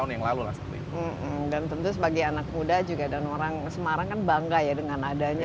tahun yang lalu lah dan tentu sebagai anak muda juga dan orang semarang kan bangga ya dengan adanya